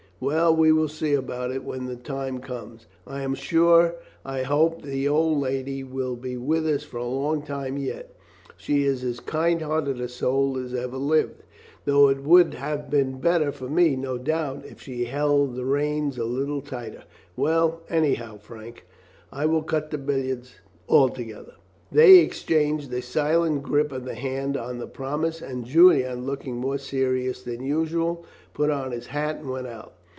"Well, we will see about it when the time comes. I am sure I hope the old lady will be with us for a long time yet. She is as kind hearted a soul as ever lived, though it would have been better for me, no doubt, if she held the reins a little tighter. Well, anyhow, Frank, I will cut the billiards altogether." They exchanged a silent grip of the hand on the promise, and Julian, looking more serious than usual, put on his hat and went out.